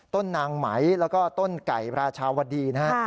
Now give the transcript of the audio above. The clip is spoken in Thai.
นางไหมแล้วก็ต้นไก่ราชาวดีนะฮะ